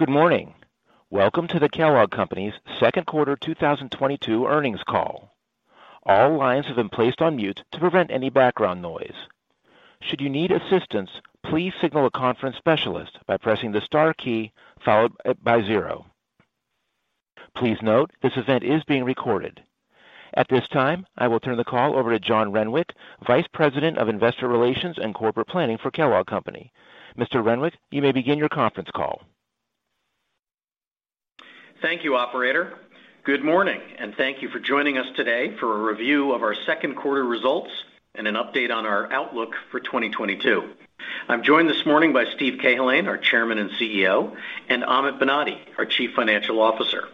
Good morning. Welcome to the Kellogg Company's second quarter 2022 earnings call. All lines have been placed on mute to prevent any background noise. Should you need assistance, please signal a conference specialist by pressing the star key, followed by zero. Please note, this event is being recorded. At this time, I will turn the call over to John Renwick, Vice President of Investor Relations and Corporate Planning for Kellogg Company. Mr. Renwick, you may begin your conference call. Thank you, operator. Good morning, and thank you for joining us today for a review of our second quarter results and an update on our outlook for 2022. I'm joined this morning by Steve Cahillane, our Chairman and CEO, and Amit Banati, our Chief Financial Officer.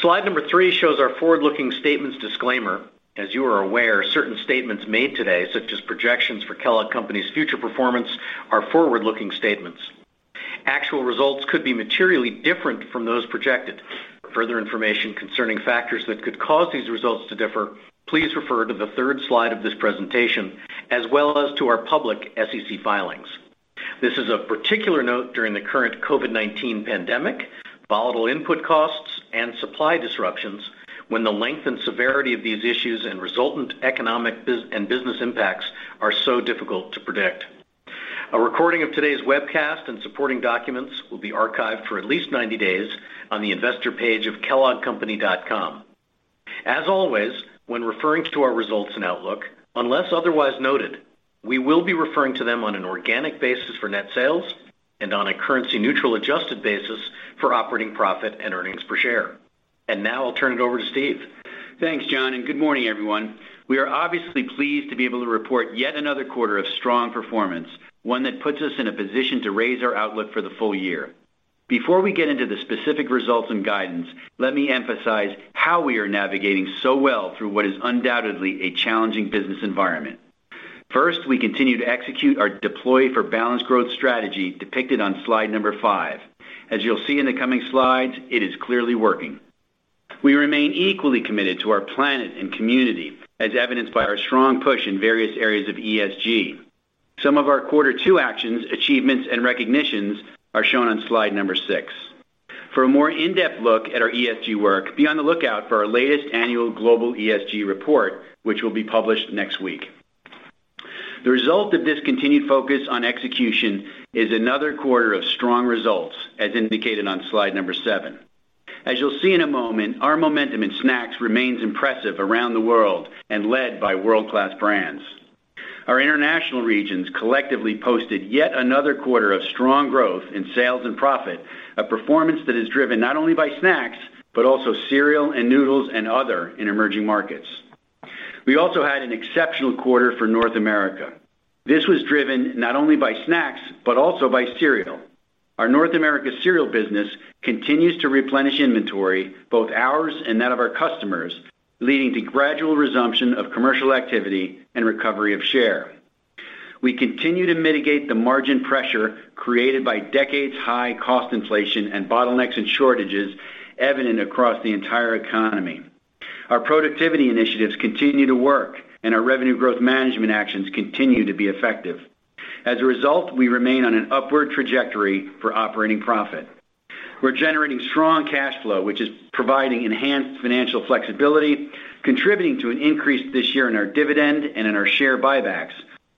Slide three shows our forward-looking statements disclaimer. As you are aware, certain statements made today, such as projections for Kellogg Company's future performance, are forward-looking statements. Actual results could be materially different from those projected. For further information concerning factors that could cause these results to differ, please refer to the third slide of this presentation, as well as to our public SEC filings. This is of particular note during the current COVID-19 pandemic, volatile input costs, and supply disruptions, when the length and severity of these issues and resultant economic business impacts are so difficult to predict. A recording of today's webcast and supporting documents will be archived for at least 90 days on the investor page of kelloggcompany.com. As always, when referring to our results and outlook, unless otherwise noted, we will be referring to them on an organic basis for net sales and on a currency neutral adjusted basis for operating profit and earnings per share. Now I'll turn it over to Steve. Thanks, John, and good morning, everyone. We are obviously pleased to be able to report yet another quarter of strong performance, one that puts us in a position to raise our outlook for the full year. Before we get into the specific results and guidance, let me emphasize how we are navigating so well through what is undoubtedly a challenging business environment. First, we continue to execute our Deploy for Balanced Growth strategy depicted on slide five. As you'll see in the coming slides, it is clearly working. We remain equally committed to our planet and community, as evidenced by our strong push in various areas of ESG. Some of our quarter two actions, achievements, and recognitions are shown on slide six. For a more in-depth look at our ESG work, be on the lookout for our latest annual global ESG report, which will be published next week. The result of this continued focus on execution is another quarter of strong results, as indicated on slide number seven. As you'll see in a moment, our momentum in snacks remains impressive around the world and led by world-class brands. Our international regions collectively posted yet another quarter of strong growth in sales and profit, a performance that is driven not only by snacks, but also cereal and noodles and other in emerging markets. We also had an exceptional quarter for North America. This was driven not only by snacks, but also by cereal. Our North America cereal business continues to replenish inventory, both ours and that of our customers, leading to gradual resumption of commercial activity and recovery of share. We continue to mitigate the margin pressure created by decades-high cost inflation and bottlenecks and shortages evident across the entire economy. Our productivity initiatives continue to work, and our revenue growth management actions continue to be effective. As a result, we remain on an upward trajectory for operating profit. We're generating strong cash flow, which is providing enhanced financial flexibility, contributing to an increase this year in our dividend and in our share buybacks,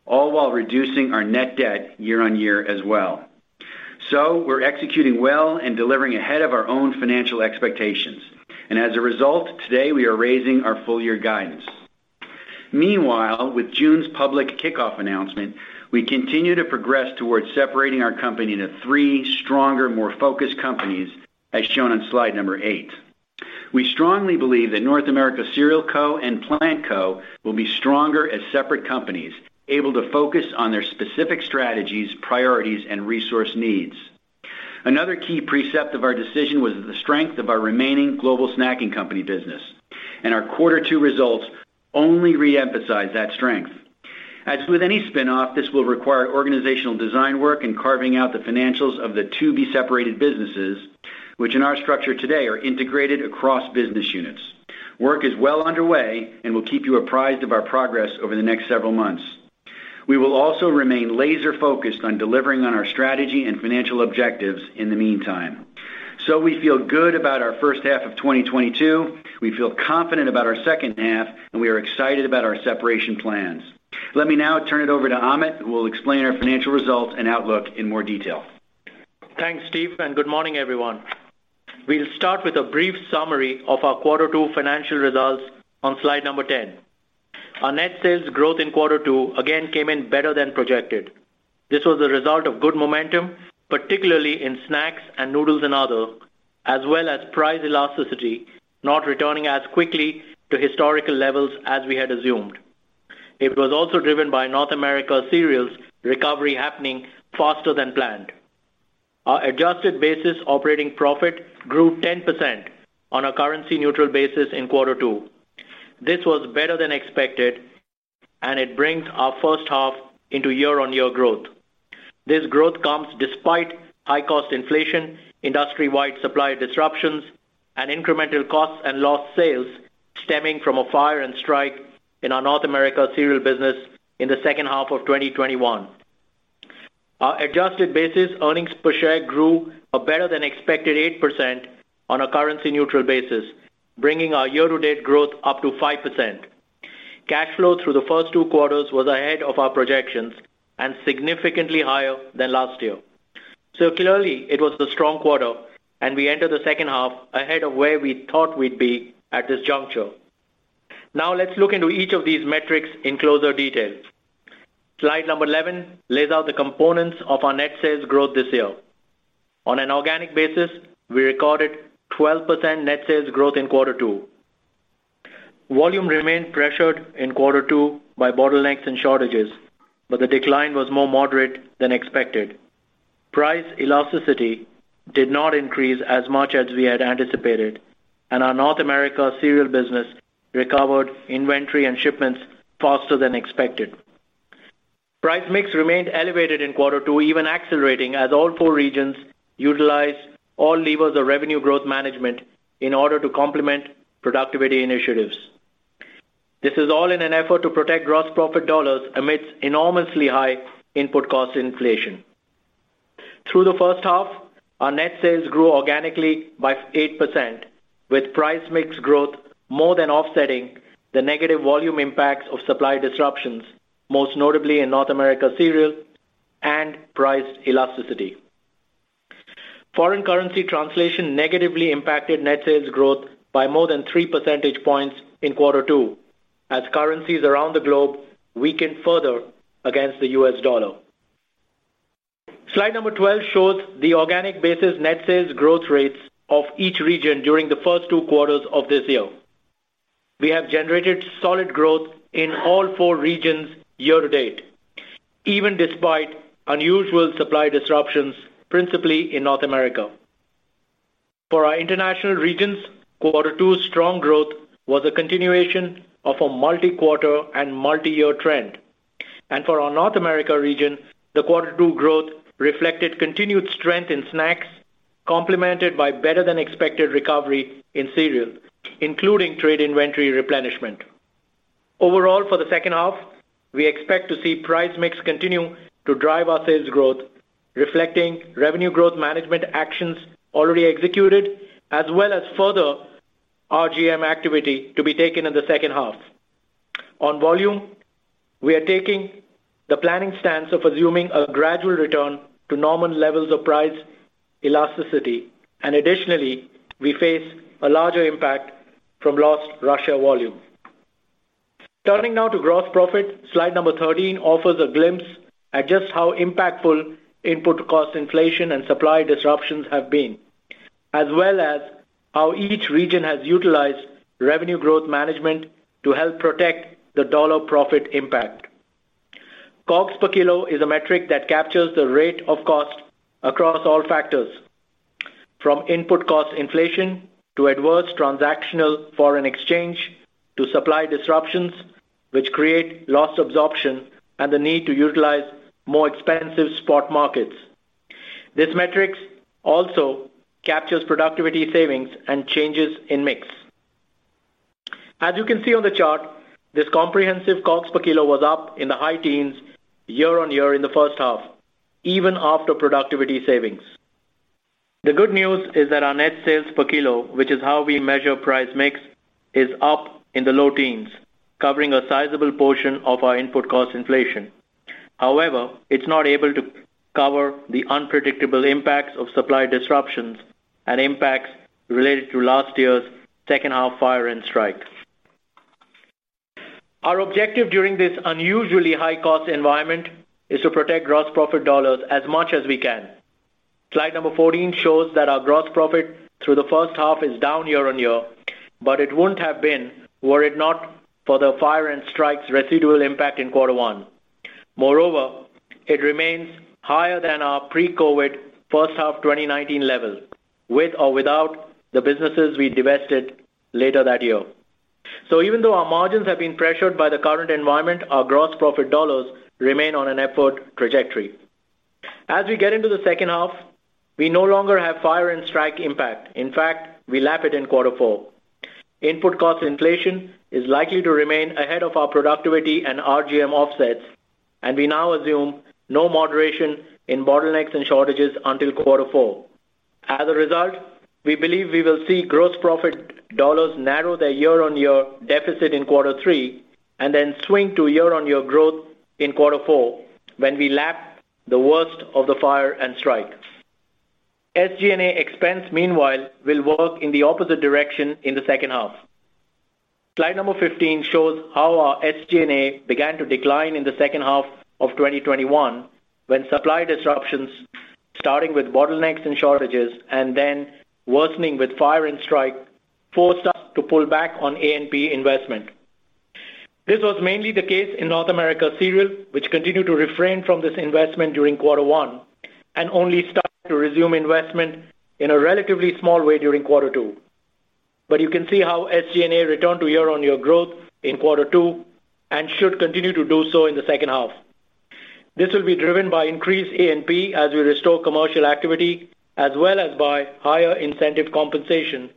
all while reducing our net debt year on year as well. We're executing well and delivering ahead of our own financial expectations. As a result, today, we are raising our full year guidance. Meanwhile, with June's public kickoff announcement, we continue to progress towards separating our company into three stronger, more focused companies, as shown on slide number eight. We strongly believe that North America Cereal Co and Plant Co will be stronger as separate companies, able to focus on their specific strategies, priorities, and resource needs. Another key precept of our decision was the strength of our remaining Global Snacking Company business, and our quarter two results only re-emphasize that strength. As with any spin-off, this will require organizational design work and carving out the financials of the two to-be-separated businesses, which in our structure today are integrated across business units. Work is well underway and we'll keep you apprised of our progress over the next several months. We will also remain laser focused on delivering on our strategy and financial objectives in the meantime. We feel good about our first half of 2022. We feel confident about our second half, and we are excited about our separation plans. Let me now turn it over to Amit, who will explain our financial results and outlook in more detail. Thanks, Steve, and good morning, everyone. We'll start with a brief summary of our quarter two financial results on slide number 10. Our net sales growth in quarter two again came in better than projected. This was the result of good momentum, particularly in snacks and noodles and other, as well as price elasticity, not returning as quickly to historical levels as we had assumed. It was also driven by North America Cereal recovery happening faster than planned. Our adjusted basis operating profit grew 10% on a currency neutral basis in quarter two. This was better than expected, and it brings our first half into year-on-year growth. This growth comes despite high cost inflation, industry-wide supply disruptions and incremental costs and lost sales stemming from a fire and strike in our North America Cereal business in the second half of 2021. Our adjusted basis earnings per share grew a better than expected 8% on a currency neutral basis, bringing our year-to-date growth up to 5%. Cash flow through the first two quarters was ahead of our projections and significantly higher than last year. Clearly it was a strong quarter and we entered the second half ahead of where we thought we'd be at this juncture. Now let's look into each of these metrics in closer detail. Slide number 11 lays out the components of our net sales growth this year. On an organic basis, we recorded 12% net sales growth in quarter two. Volume remained pressured in quarter two by bottlenecks and shortages, but the decline was more moderate than expected. Price elasticity did not increase as much as we had anticipated, and our North America cereal business recovered inventory and shipments faster than expected. Price mix remained elevated in quarter two, even accelerating as all four regions utilized all levers of revenue growth management in order to complement productivity initiatives. This is all in an effort to protect gross profit dollars amidst enormously high input cost inflation. Through the first half, our net sales grew organically by 8%, with price mix growth more than offsetting the negative volume impacts of supply disruptions, most notably in North America cereal and price elasticity. Foreign currency translation negatively impacted net sales growth by more than three percentage points in quarter two as currencies around the globe weakened further against the U.S. dollar. Slide number 12 shows the organic basis net sales growth rates of each region during the first two quarters of this year. We have generated solid growth in all four regions year-to-date, even despite unusual supply disruptions, principally in North America. For our international regions, quarter two's strong growth was a continuation of a multi-quarter and multi-year trend. For our North America region, the quarter two growth reflected continued strength in snacks, complemented by better than expected recovery in cereal, including trade inventory replenishment. Overall, for the second half, we expect to see price mix continue to drive our sales growth, reflecting revenue growth management actions already executed, as well as further RGM activity to be taken in the second half. On volume, we are taking the planning stance of assuming a gradual return to normal levels of price elasticity, and additionally, we face a larger impact from lost Russia volume. Turning now to gross profit, slide number 13 offers a glimpse at just how impactful input cost inflation and supply disruptions have been, as well as how each region has utilized Revenue Growth Management to help protect the dollar profit impact. COGS per kilo is a metric that captures the rate of cost across all factors, from input cost inflation to adverse transactional foreign exchange to supply disruptions, which create loss absorption and the need to utilize more expensive spot markets. This metric also captures productivity savings and changes in mix. As you can see on the chart, this comprehensive COGS per kilo was up in the high teens year-on-year in the first half, even after productivity savings. The good news is that our net sales per kilo, which is how we measure price mix, is up in the low teens, covering a sizable portion of our input cost inflation. However, it's not able to cover the unpredictable impacts of supply disruptions and impacts related to last year's second half fire and strike. Our objective during this unusually high-cost environment is to protect gross profit dollars as much as we can. Slide number 14 shows that our gross profit through the first half is down year-on-year, but it wouldn't have been were it not for the fire and strike's residual impact in quarter one. Moreover, it remains higher than our pre-COVID first half 2019 level, with or without the businesses we divested later that year. Even though our margins have been pressured by the current environment, our gross profit dollars remain on an upward trajectory. As we get into the second half, we no longer have fire and strike impact. In fact, we lap it in quarter four. Input cost inflation is likely to remain ahead of our productivity and RGM offsets, and we now assume no moderation in bottlenecks and shortages until quarter four. As a result, we believe we will see gross profit dollars narrow their year-on-year deficit in quarter three and then swing to year-on-year growth in quarter four when we lap the worst of the fire and strike. SG&A expense, meanwhile, will work in the opposite direction in the second half. Slide number 15 shows how our SG&A began to decline in the second half of 2021 when supply disruptions, starting with bottlenecks and shortages and then worsening with fire and strike, forced us to pull back on A&P investment. This was mainly the case in North America cereal, which continued to refrain from this investment during quarter one and only started to resume investment in a relatively small way during quarter two. You can see how SG&A returned to year-on-year growth in quarter two and should continue to do so in the second half. This will be driven by increased A&P as we restore commercial activity, as well as by higher incentive compensation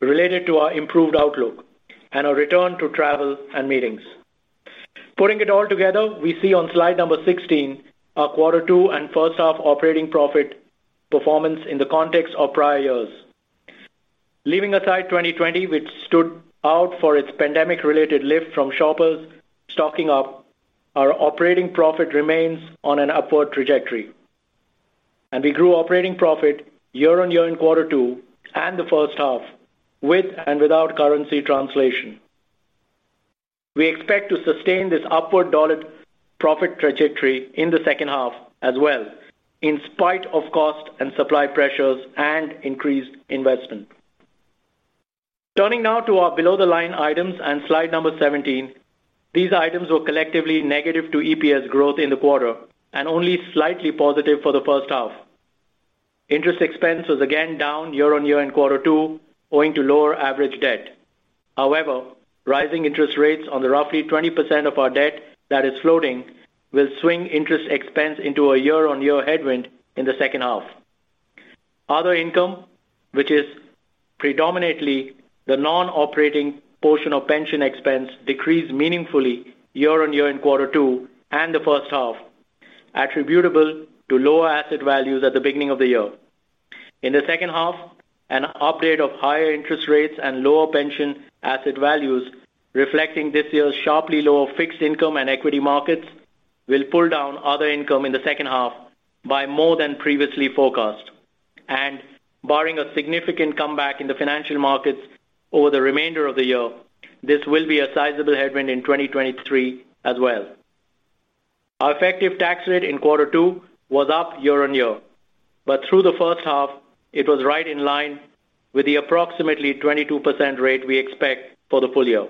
related to our improved outlook and a return to travel and meetings. Putting it all together, we see on slide number 16 our quarter two and first half operating profit performance in the context of prior years. Leaving aside 2020, which stood out for its pandemic-related lift from shoppers stocking up, our operating profit remains on an upward trajectory, and we grew operating profit year-on-year in quarter two and the first half with and without currency translation. We expect to sustain this upward dollar profit trajectory in the second half as well, in spite of cost and supply pressures and increased investment. Turning now to our below-the-line items and slide number 17, these items were collectively negative to EPS growth in the quarter and only slightly positive for the first half. Interest expense was again down year-on-year in quarter two owing to lower average debt. However, rising interest rates on the roughly 20% of our debt that is floating will swing interest expense into a year-on-year headwind in the second half. Other income, which is predominantly the non-operating portion of pension expense, decreased meaningfully year-on-year in quarter two and the first half, attributable to lower asset values at the beginning of the year. In the second half, an update of higher interest rates and lower pension asset values reflecting this year's sharply lower fixed income and equity markets will pull down other income in the second half by more than previously forecast. Barring a significant comeback in the financial markets over the remainder of the year, this will be a sizable headwind in 2023 as well. Our effective tax rate in quarter two was up year on year, but through the first half it was right in line with the approximately 22% rate we expect for the full year.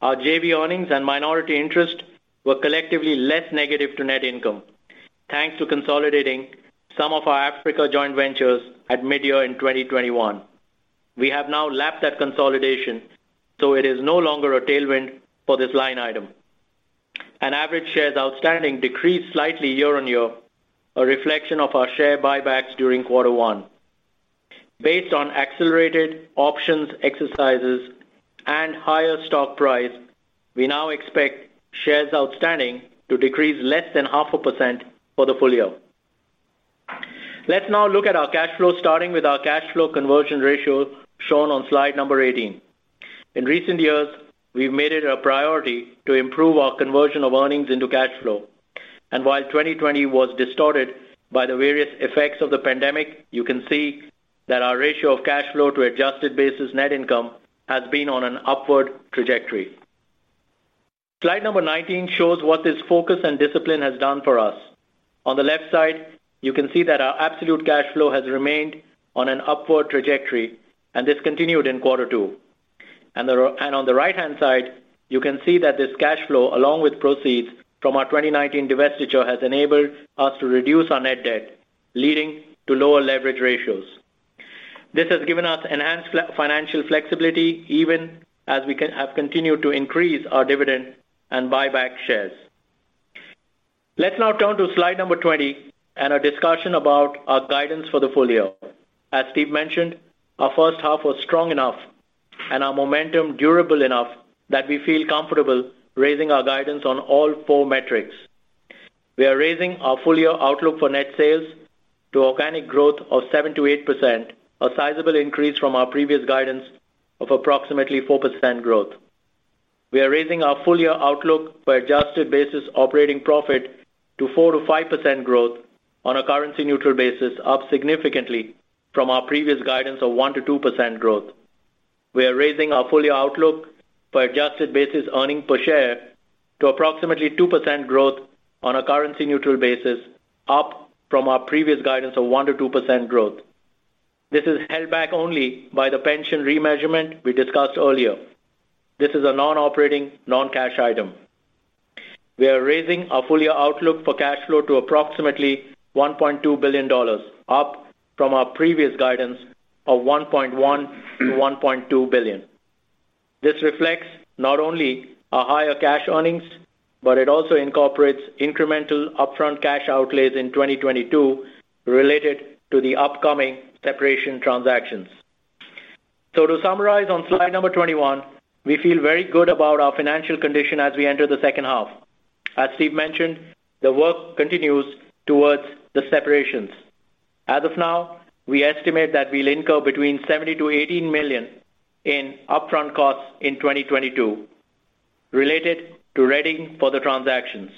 Our JV earnings and minority interest were collectively less negative to net income, thanks to consolidating some of our Africa joint ventures at midyear in 2021. We have now lapped that consolidation, so it is no longer a tailwind for this line item. Average shares outstanding decreased slightly year on year, a reflection of our share buybacks during quarter one. Based on accelerated options exercises and higher stock price, we now expect shares outstanding to decrease less than half a percent for the full year. Let's now look at our cash flow, starting with our cash flow conversion ratio shown on slide number 18. In recent years, we've made it a priority to improve our conversion of earnings into cash flow. While 2020 was distorted by the various effects of the pandemic, you can see that our ratio of cash flow to adjusted basis net income has been on an upward trajectory. Slide number 19 shows what this focus and discipline has done for us. On the left side, you can see that our absolute cash flow has remained on an upward trajectory, and this continued in quarter two. On the right-hand side, you can see that this cash flow, along with proceeds from our 2019 divestiture, has enabled us to reduce our net debt, leading to lower leverage ratios. This has given us enhanced financial flexibility even as we have continued to increase our dividend and buy back shares. Let's now turn to slide number 20 and our discussion about our guidance for the full year. As Steve mentioned, our first half was strong enough and our momentum durable enough that we feel comfortable raising our guidance on all four metrics. We are raising our full year outlook for net sales to organic growth of 7%-8%, a sizable increase from our previous guidance of approximately 4% growth. We are raising our full year outlook for adjusted basis operating profit to 4%-5% growth on a currency-neutral basis, up significantly from our previous guidance of 1%-2% growth. We are raising our full year outlook for adjusted basis earnings per share to approximately 2% growth on a currency-neutral basis, up from our previous guidance of 1%-2% growth. This is held back only by the pension remeasurement we discussed earlier. This is a non-operating non-cash item. We are raising our full year outlook for cash flow to approximately $1.2 billion, up from our previous guidance of $1.1 billion-$1.2 billion. This reflects not only our higher cash earnings, but it also incorporates incremental upfront cash outlays in 2022 related to the upcoming separation transactions. To summarize on slide number 21, we feel very good about our financial condition as we enter the second half. As Steve mentioned, the work continues towards the separations. As of now, we estimate that we'll incur between $70-$80 million in upfront costs in 2022 related to readying for the transactions.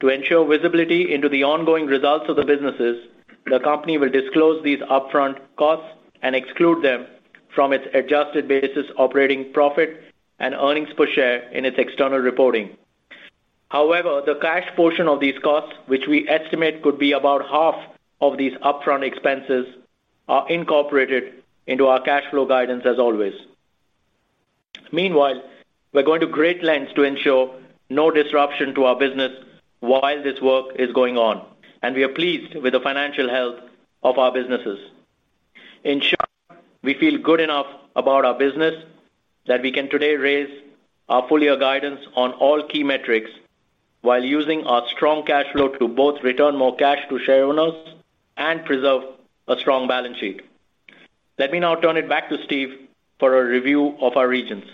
To ensure visibility into the ongoing results of the businesses, the company will disclose these upfront costs and exclude them from its adjusted basis operating profit and earnings per share in its external reporting. However, the cash portion of these costs, which we estimate could be about half of these upfront expenses, are incorporated into our cash flow guidance as always. Meanwhile, we're going to great lengths to ensure no disruption to our business while this work is going on, and we are pleased with the financial health of our businesses. In short, we feel good enough about our business that we can today raise our full year guidance on all key metrics while using our strong cash flow to both return more cash to shareowners and preserve a strong balance sheet. Let me now turn it back to Steve for a review of our regions.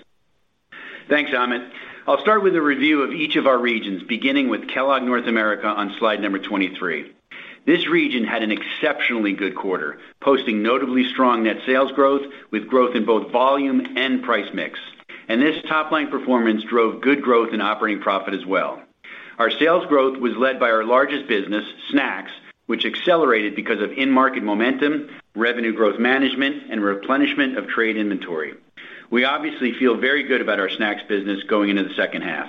Thanks, Amit. I'll start with a review of each of our regions, beginning with Kellogg North America on slide number 23. This region had an exceptionally good quarter, posting notably strong net sales growth, with growth in both volume and price mix. This top line performance drove good growth in operating profit as well. Our sales growth was led by our largest business, snacks, which accelerated because of in-market momentum, revenue growth management, and replenishment of trade inventory. We obviously feel very good about our snacks business going into the second half.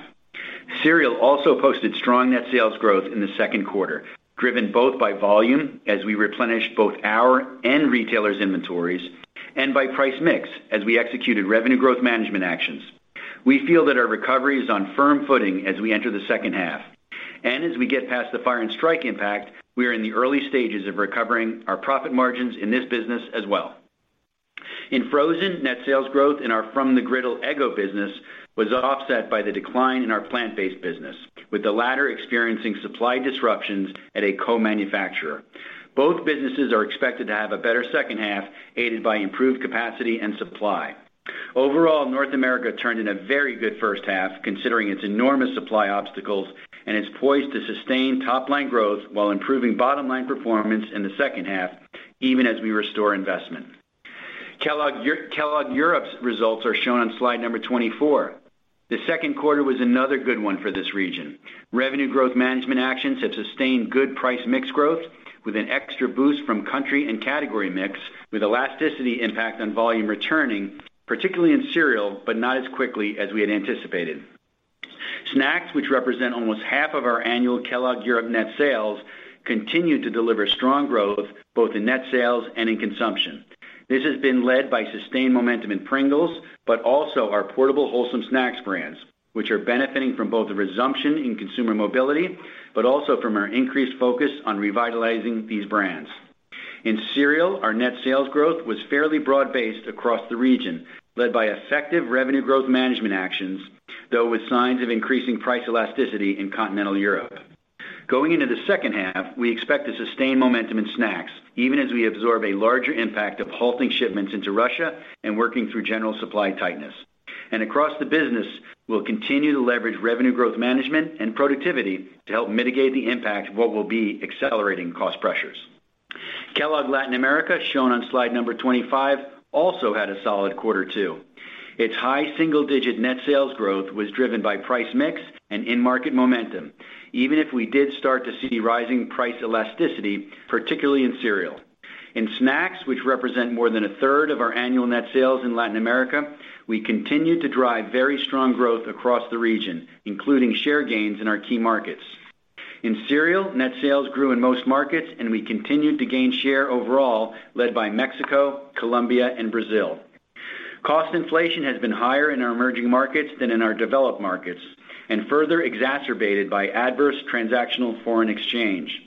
Cereal also posted strong net sales growth in the second quarter, driven both by volume, as we replenished both our and retailers' inventories, and by price mix, as we executed revenue growth management actions. We feel that our recovery is on firm footing as we enter the second half. As we get past the fire and strike impact, we are in the early stages of recovering our profit margins in this business as well. In frozen, net sales growth in our from-the-griddle Eggo business was offset by the decline in our plant-based business, with the latter experiencing supply disruptions at a co-manufacturer. Both businesses are expected to have a better second half, aided by improved capacity and supply. Overall, North America turned in a very good first half, considering its enormous supply obstacles, and is poised to sustain top line growth while improving bottom line performance in the second half, even as we restore investment. Kellogg Europe's results are shown on slide number 24. The second quarter was another good one for this region. Revenue Growth Management actions have sustained good price mix growth, with an extra boost from country and category mix, with elasticity impact on volume returning, particularly in cereal, but not as quickly as we had anticipated. Snacks, which represent almost half of our annual Kellogg Europe net sales, continued to deliver strong growth both in net sales and in consumption. This has been led by sustained momentum in Pringles, but also our portable wholesome snacks brands, which are benefiting from both the resumption in consumer mobility, but also from our increased focus on revitalizing these brands. In cereal, our net sales growth was fairly broad-based across the region, led by effective Revenue Growth Management actions, though with signs of increasing price elasticity in continental Europe. Going into the second half, we expect to sustain momentum in snacks, even as we absorb a larger impact of halting shipments into Russia and working through general supply tightness. Across the business, we'll continue to leverage revenue growth management and productivity to help mitigate the impact of what will be accelerating cost pressures. Kellogg Latin America, shown on slide number 25, also had a solid quarter too. Its high single-digit net sales growth was driven by price mix and in-market momentum, even if we did start to see rising price elasticity, particularly in cereal. In snacks, which represent more than a third of our annual net sales in Latin America, we continued to drive very strong growth across the region, including share gains in our key markets. In cereal, net sales grew in most markets, and we continued to gain share overall, led by Mexico, Colombia, and Brazil. Cost inflation has been higher in our emerging markets than in our developed markets and further exacerbated by adverse transactional foreign exchange.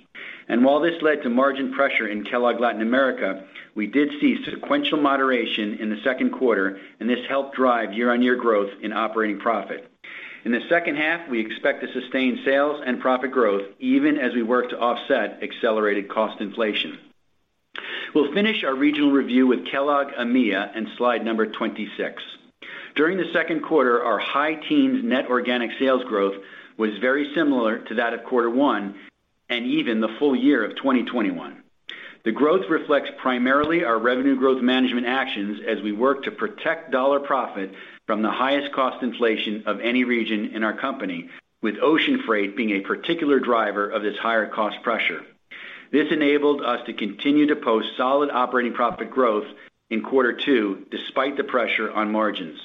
While this led to margin pressure in Kellogg Latin America, we did see sequential moderation in the second quarter, and this helped drive year-on-year growth in operating profit. In the second half, we expect to sustain sales and profit growth even as we work to offset accelerated cost inflation. We'll finish our regional review with Kellogg EMEA in slide number 26. During the second quarter, our high teens net organic sales growth was very similar to that of quarter one and even the full year of 2021. The growth reflects primarily our revenue growth management actions as we work to protect dollar profit from the highest cost inflation of any region in our company, with ocean freight being a particular driver of this higher cost pressure. This enabled us to continue to post solid operating profit growth in quarter two despite the pressure on margins.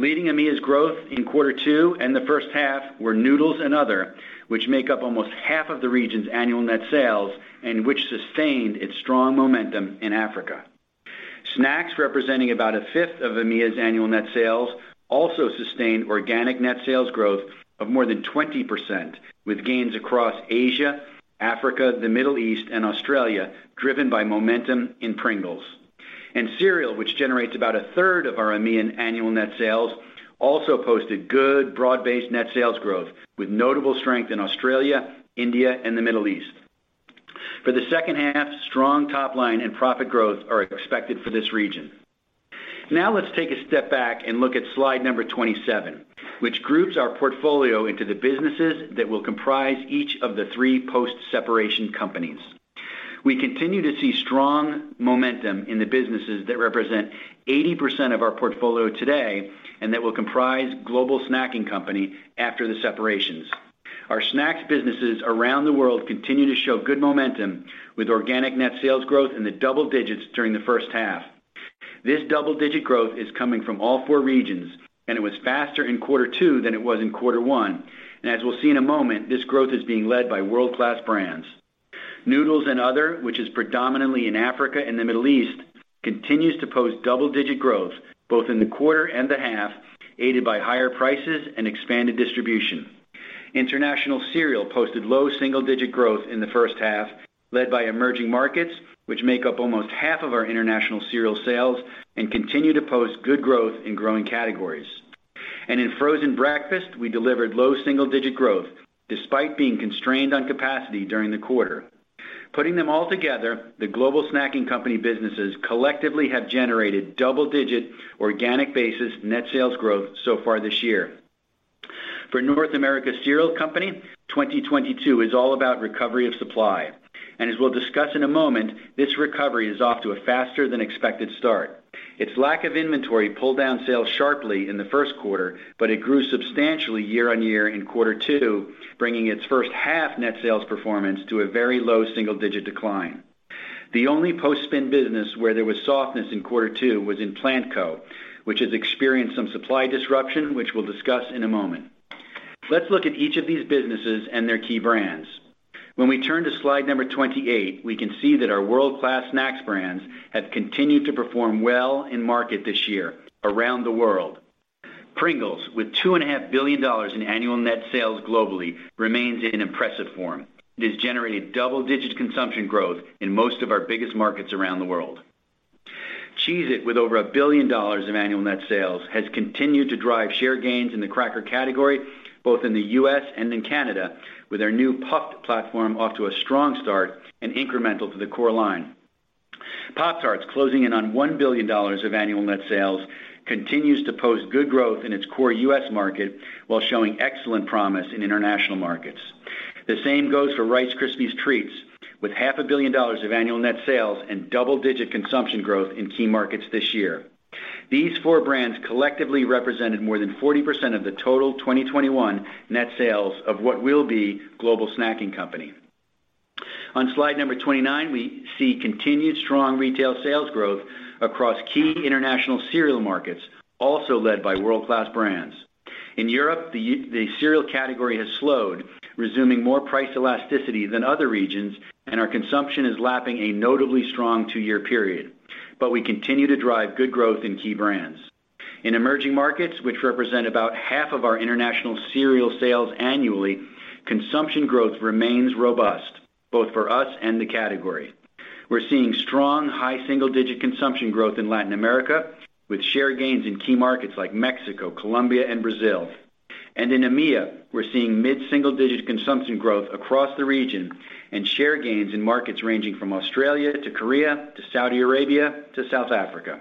Leading EMEA's growth in quarter two and the first half were noodles and other, which make up almost half of the region's annual net sales and which sustained its strong momentum in Africa. Snacks, representing about a fifth of EMEA's annual net sales, also sustained organic net sales growth of more than 20%, with gains across Asia, Africa, the Middle East, and Australia, driven by momentum in Pringles. Cereal, which generates about a third of our EMEA annual net sales, also posted good broad-based net sales growth, with notable strength in Australia, India, and the Middle East. For the second half, strong top line and profit growth are expected for this region. Now let's take a step back and look at slide number 27, which groups our portfolio into the businesses that will comprise each of the three post-separation companies. We continue to see strong momentum in the businesses that represent 80% of our portfolio today and that will comprise Global Snacking Co after the separations. Our snacks businesses around the world continue to show good momentum with organic net sales growth in the double digits during the first half. This double-digit growth is coming from all four regions, and it was faster in quarter two than it was in quarter one. As we'll see in a moment, this growth is being led by world-class brands. Noodles and other, which is predominantly in Africa and the Middle East, continues to post double-digit growth both in the quarter and the half, aided by higher prices and expanded distribution. International cereal posted low single-digit growth in the first half, led by emerging markets, which make up almost half of our international cereal sales and continue to post good growth in growing categories. In frozen breakfast, we delivered low single-digit growth despite being constrained on capacity during the quarter. Putting them all together, the Global Snacking Company businesses collectively have generated double-digit organic basis net sales growth so far this year. For North America Cereal Company, 2022 is all about recovery of supply. As we'll discuss in a moment, this recovery is off to a faster than expected start. Its lack of inventory pulled down sales sharply in the first quarter, but it grew substantially year-over-year in quarter two, bringing its first half net sales performance to a very low single-digit decline. The only post-spin business where there was softness in quarter two was in Plant Co, which has experienced some supply disruption, which we'll discuss in a moment. Let's look at each of these businesses and their key brands. When we turn to slide number 28, we can see that our world-class snacks brands have continued to perform well in market this year around the world. Pringles, with $2.5 billion in annual net sales globally, remains in impressive form, and has generated double-digit consumption growth in most of our biggest markets around the world. Cheez-It, with over $1 billion of annual net sales, has continued to drive share gains in the cracker category, both in the U.S. and in Canada, with our new puffed platform off to a strong start and incremental to the core line. Pop-Tarts, closing in on $1 billion of annual net sales, continues to post good growth in its core U.S. market while showing excellent promise in international markets. The same goes for Rice Krispies Treats, with half a billion dollars of annual net sales and double-digit consumption growth in key markets this year. These four brands collectively represented more than 40% of the total 2021 net sales of what will be Global Snacking Company. On slide number 29, we see continued strong retail sales growth across key international cereal markets, also led by world-class brands. In Europe, the cereal category has slowed, showing more price elasticity than other regions, and our consumption is lapping a notably strong two-year period. We continue to drive good growth in key brands. In emerging markets, which represent about half of our international cereal sales annually, consumption growth remains robust, both for us and the category. We're seeing strong high single-digit consumption growth in Latin America, with share gains in key markets like Mexico, Colombia, and Brazil. In EMEA, we're seeing mid-single-digit consumption growth across the region and share gains in markets ranging from Australia to Korea to Saudi Arabia to South Africa.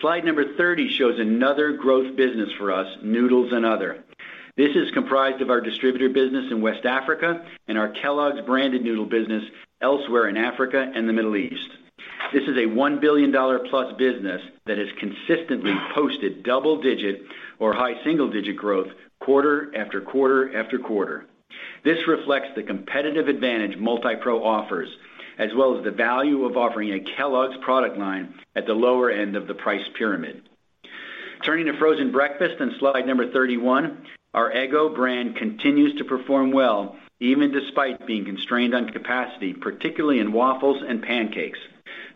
Slide number 30 shows another growth business for us, noodles and other. This is comprised of our distributor business in West Africa and our Kellogg's branded noodle business elsewhere in Africa and the Middle East. This is a $1+ billion business that has consistently posted double-digit or high single-digit growth quarter after quarter after quarter. This reflects the competitive advantage Multi-Pro offers, as well as the value of offering a Kellogg's product line at the lower end of the price pyramid. Turning to frozen breakfast on slide number 31, our Eggo brand continues to perform well, even despite being constrained on capacity, particularly in waffles and pancakes.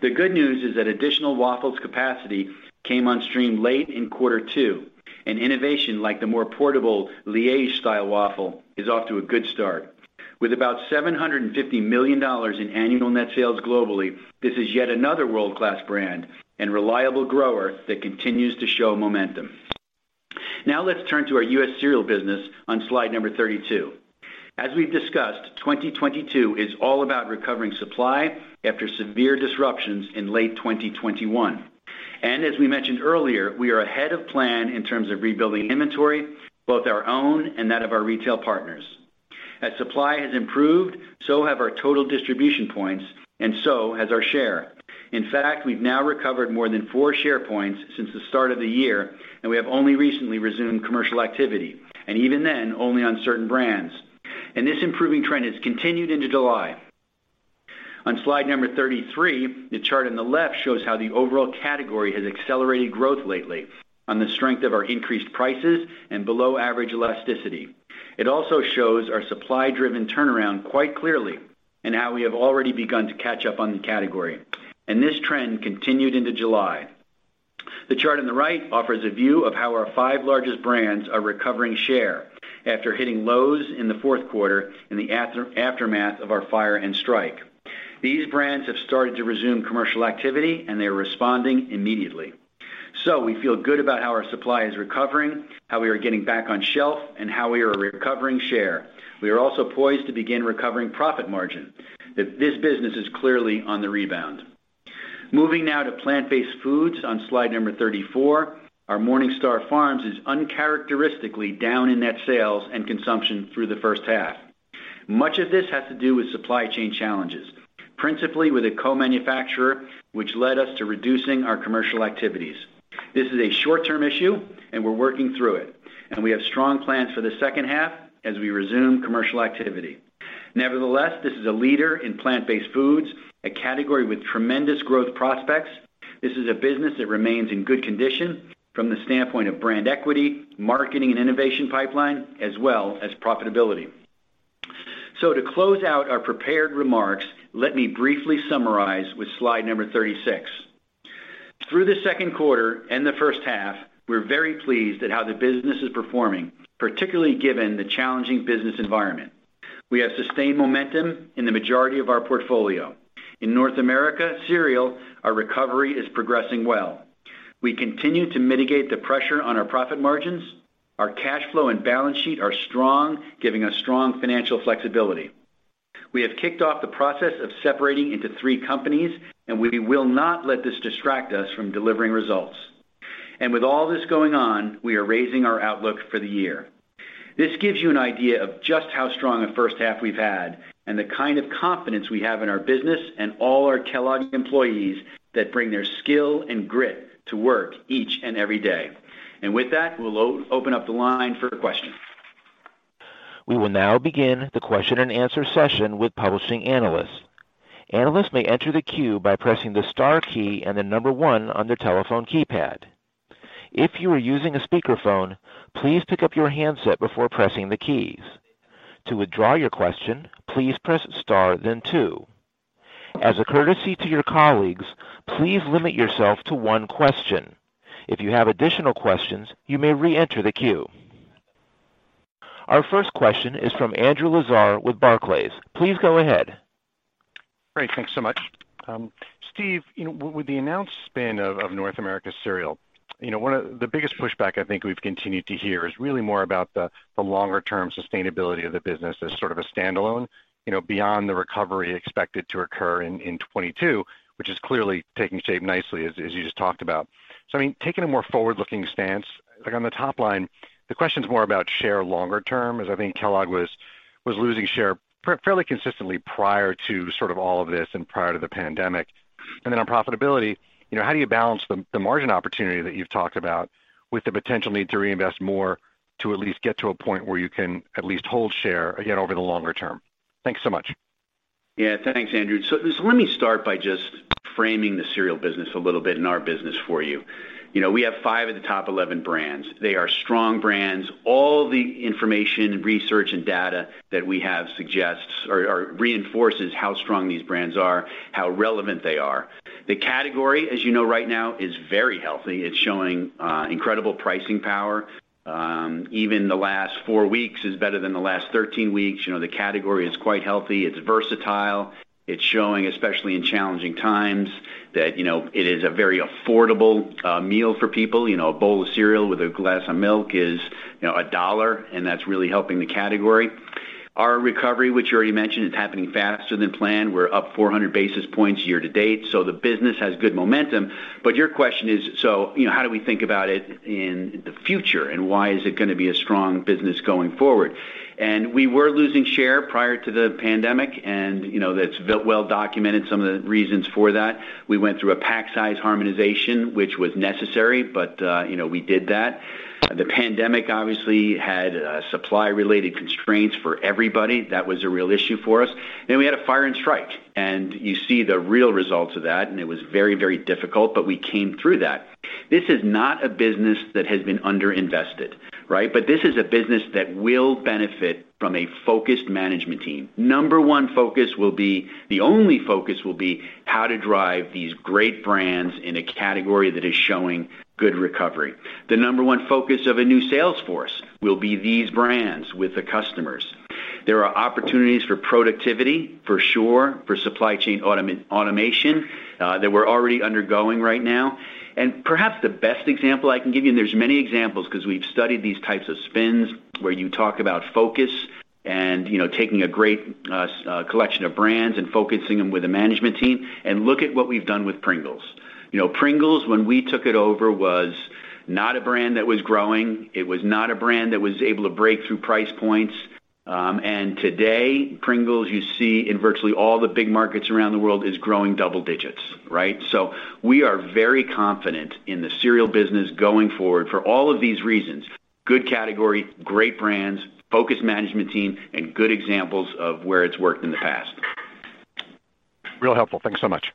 The good news is that additional waffles capacity came on stream late in quarter two, and innovation like the more portable Liège-style waffle is off to a good start. With about $750 million in annual net sales globally, this is yet another world-class brand and reliable grower that continues to show momentum. Now let's turn to our U.S. cereal business on slide number 32. As we've discussed, 2022 is all about recovering supply after severe disruptions in late 2021. As we mentioned earlier, we are ahead of plan in terms of rebuilding inventory, both our own and that of our retail partners. As supply has improved, so have our total distribution points and so has our share. In fact, we've now recovered more than four share points since the start of the year, and we have only recently resumed commercial activity, and even then, only on certain brands. This improving trend has continued into July. On slide number 33, the chart on the left shows how the overall category has accelerated growth lately on the strength of our increased prices and below average elasticity. It also shows our supply driven turnaround quite clearly and how we have already begun to catch up on the category. This trend continued into July. The chart on the right offers a view of how our five largest brands are recovering share after hitting lows in the fourth quarter in the aftermath of our fire and strike. These brands have started to resume commercial activity, and they are responding immediately. We feel good about how our supply is recovering, how we are getting back on shelf, and how we are recovering share. We are also poised to begin recovering profit margin. This business is clearly on the rebound. Moving now to plant-based foods on slide number 34. Our Morningstar Farms is uncharacteristically down in net sales and consumption through the first half. Much of this has to do with supply chain challenges, principally with a co-manufacturer, which led us to reducing our commercial activities. This is a short-term issue and we're working through it, and we have strong plans for the second half as we resume commercial activity. Nevertheless, this is a leader in plant-based foods, a category with tremendous growth prospects. This is a business that remains in good condition from the standpoint of brand equity, marketing and innovation pipeline, as well as profitability. To close out our prepared remarks, let me briefly summarize with slide number 36. Through the second quarter and the first half, we're very pleased at how the business is performing, particularly given the challenging business environment. We have sustained momentum in the majority of our portfolio. In North America Cereal, our recovery is progressing well. We continue to mitigate the pressure on our profit margins. Our cash flow and balance sheet are strong, giving us strong financial flexibility. We have kicked off the process of separating into three companies, and we will not let this distract us from delivering results. With all this going on, we are raising our outlook for the year. This gives you an idea of just how strong a first half we've had and the kind of confidence we have in our business and all our Kellogg employees that bring their skill and grit to work each and every day. With that, we'll open up the line for questions. We will now begin the question and answer session with participating analysts. Analysts may enter the queue by pressing star, then one on their telephone keypad. If you are using a speakerphone, please pick up your handset before pressing the keys. To withdraw your question, please press star, then two. As a courtesy to your colleagues, please limit yourself to one question. If you have additional questions, you may reenter the queue. Our first question is from Andrew Lazar with Barclays. Please go ahead. Great. Thanks so much. Steve, you know, with the announced spin of North America Cereal Co, you know, one of the biggest pushback I think we've continued to hear is really more about the longer term sustainability of the business as sort of a standalone, you know, beyond the recovery expected to occur in 2022, which is clearly taking shape nicely, as you just talked about. I mean, taking a more forward-looking stance, like on the top line, the question is more about share longer term, as I think Kellogg was losing share pretty fairly consistently prior to sort of all of this and prior to the pandemic. On profitability, you know, how do you balance the margin opportunity that you've talked about with the potential need to reinvest more to at least get to a point where you can at least hold share again over the longer term? Thanks so much. Yeah. Thanks, Andrew. Just let me start by just framing the cereal business a little bit and our business for you. You know, we have five of the top 11 brands. They are strong brands. All the information, research, and data that we have suggests or reinforces how strong these brands are, how relevant they are. The category, as you know right now, is very healthy. It's showing incredible pricing power. Even the last four weeks is better than the last 13 weeks. You know, the category is quite healthy. It's versatile. It's showing, especially in challenging times, that, you know, it is a very affordable meal for people. You know, a bowl of cereal with a glass of milk is, you know, $1, and that's really helping the category. Our recovery, which you already mentioned, is happening faster than planned. We're up 400 basis points year to date, so the business has good momentum. Your question is, so, you know, how do we think about it in the future, and why is it gonna be a strong business going forward? We were losing share prior to the pandemic, and, you know, that's well documented, some of the reasons for that. We went through a pack size harmonization, which was necessary, but, you know, we did that. The pandemic obviously had supply related constraints for everybody. That was a real issue for us. We had a fire and strike, and you see the real results of that, and it was very, very difficult, but we came through that. This is not a business that has been underinvested, right? This is a business that will benefit from a focused management team. Number one focus will be the only focus will be how to drive these great brands in a category that is showing good recovery. The number one focus of a new sales force will be these brands with the customers. There are opportunities for productivity, for sure, for supply chain automation that we're already undergoing right now. Perhaps the best example I can give you, and there's many examples 'cause we've studied these types of spins where you talk about focus and, you know, taking a great collection of brands and focusing them with a management team, and look at what we've done with Pringles. You know, Pringles, when we took it over, was not a brand that was growing. It was not a brand that was able to break through price points. Today, Pringles, you see in virtually all the big markets around the world, is growing double digits, right? We are very confident in the cereal business going forward for all of these reasons. Good category, great brands, focused management team, and good examples of where it's worked in the past. Really helpful. Thanks so much.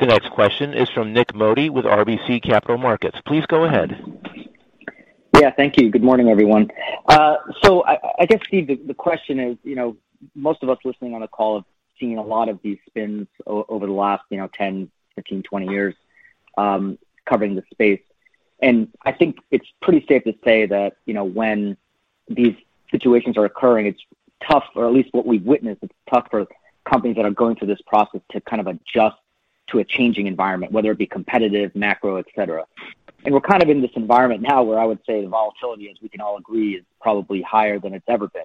The next question is from Nik Modi with RBC Capital Markets. Please go ahead. Yeah. Thank you. Good morning, everyone. I guess, Steve, the question is, you know, most of us listening on the call have seen a lot of these spins over the last, you know, 10, 15, 20 years, covering the space. I think it's pretty safe to say that, you know, when these situations are occurring, it's tough or at least what we've witnessed, it's tough for companies that are going through this process to kind of adjust to a changing environment, whether it be competitive, macro, etcetera. We're kind of in this environment now where I would say the volatility, as we can all agree, is probably higher than it's ever been.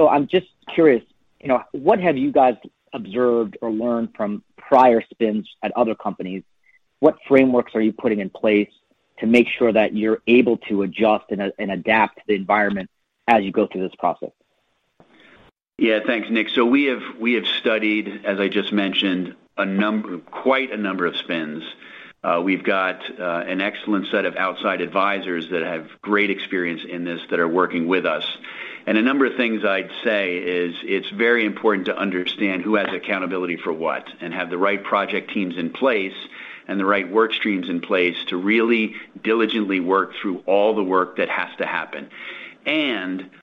I'm just curious, you know, what have you guys observed or learned from prior spins at other companies? What frameworks are you putting in place to make sure that you're able to adjust and adapt to the environment as you go through this process? Yeah. Thanks, Nick. So we have studied, as I just mentioned, quite a number of spins. We've got an excellent set of outside advisors that have great experience in this that are working with us. A number of things I'd say. It's very important to understand who has accountability for what and have the right project teams in place and the right work streams in place to really diligently work through all the work that has to happen.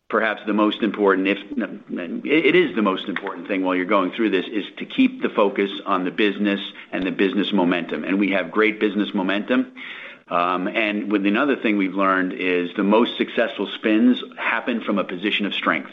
Perhaps the most important, it is the most important thing while you're going through this, is to keep the focus on the business and the business momentum. We have great business momentum. Another thing we've learned is the most successful spins happen from a position of strength,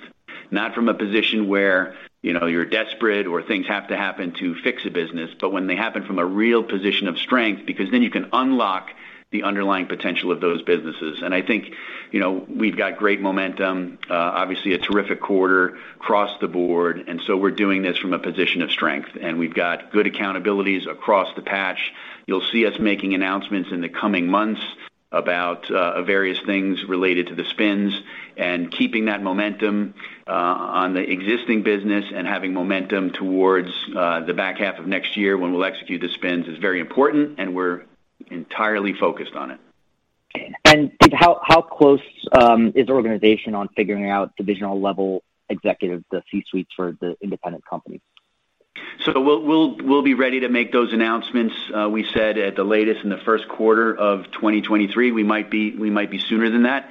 not from a position where, you know, you're desperate or things have to happen to fix a business, but when they happen from a real position of strength, because then you can unlock the underlying potential of those businesses. I think, you know, we've got great momentum, obviously a terrific quarter across the board, and so we're doing this from a position of strength. We've got good accountabilities across the patch. You'll see us making announcements in the coming months about various things related to the spins and keeping that momentum on the existing business and having momentum towards the back half of next year when we'll execute the spins is very important, and we're entirely focused on it. Steve, how close is the organization on figuring out divisional level executive, the C-suites for the independent company? We'll be ready to make those announcements. We said at the latest in the first quarter of 2023. We might be sooner than that.